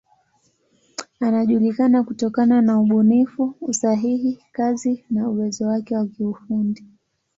Anajulikana kutokana na ubunifu, usahihi, kasi na uwezo wake wa kiufundi.